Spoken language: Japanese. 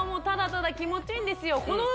ただただ気持ちいいんですよ